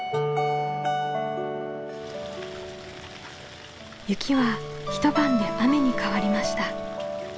雪は一晩で雨に変わりました。